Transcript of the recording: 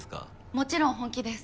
もちろん本気です。